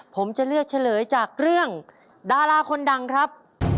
ต่อคนดังครับ